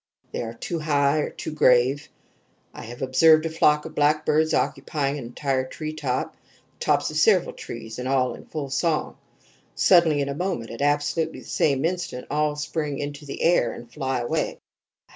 They are too high or too grave. I have observed a flock of blackbirds occupying an entire treetop the tops of several trees and all in full song. Suddenly in a moment at absolutely the same instant all spring into the air and fly away.